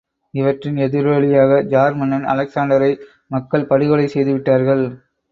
இவற்றின் எதிரொலியாக ஜார் மன்னன் அலெக்சாண்டரை மக்கள் படுகொலை செய்து விட்டார்கள்.